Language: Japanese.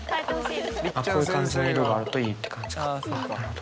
こういう感じの色があるといいって感じかなるほど。